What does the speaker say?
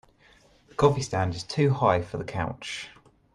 The coffee stand is too high for the couch.